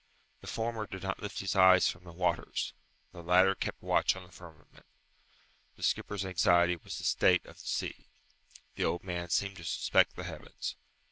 The former did not lift his eyes from the waters; the latter kept watch on the firmament. The skipper's anxiety was the state of the sea; the old man seemed to suspect the heavens.